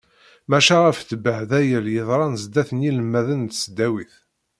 Maca ɣef ttbehdayel yeḍran sdat n yinelmaden n tesdawit.